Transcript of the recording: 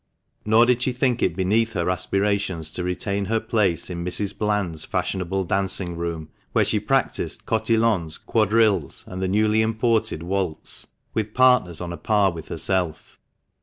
Nor did she think it beneath her aspirations to retain her place in Mrs. Eland's fashionable dancing room, where she practised cotillons, quadrilles, and the newly imported waltz, with partners on a par with herself.